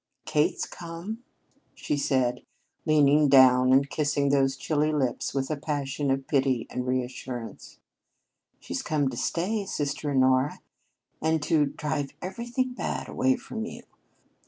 "Kate's come," she said, leaning down and kissing those chilly lips with a passion of pity and reassurance. "She's come to stay, sister Honora, and to drive everything bad away from you.